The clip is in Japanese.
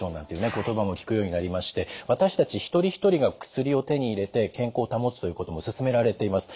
言葉も聞くようになりまして私たち一人一人が薬を手に入れて健康を保つということもすすめられています。